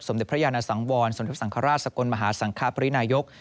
สมฤยพระยานสังวรรณ์สมฤพศังคราชกลมหาสังคปริณายก